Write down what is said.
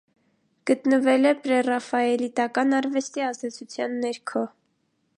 Գտնվել է պրեռաֆայելիտական արվեստի ազդեցության ներքո։